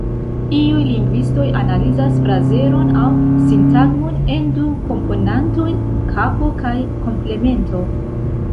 Iuj lingvistoj analizas frazeron, aŭ sintagmon, en du komponantojn: kapo kaj komplemento.